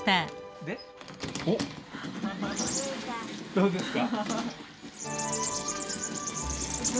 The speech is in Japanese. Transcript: どうですか？